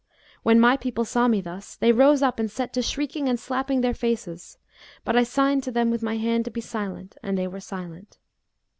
When my people saw me thus, they rose up and set to shrieking and slapping their faces; but I signed to them with my hand to be silent and they were silent.